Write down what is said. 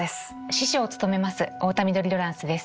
司書を務めます太田緑ロランスです。